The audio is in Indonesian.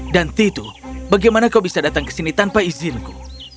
dan titu bagaimana kau bisa datang ke sini tanpa izinku